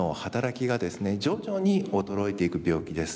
徐々に衰えていく病気です。